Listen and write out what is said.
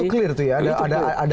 oh itu clear ya ada elemen itu ya